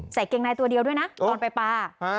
ใส่เกงไนตัวเดียวด้วยนะก่อนไปปลาฮะ